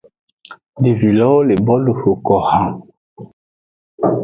Devi lowo le bolu xoko haan.